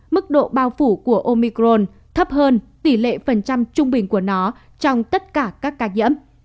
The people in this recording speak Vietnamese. mức độ bao phủ của omicron thấp hơn tỷ lệ phần trăm trung bình của nó trong tất cả các ca nhiễm